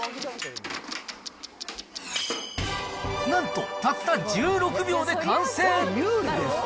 なんと、たった１６秒で完成。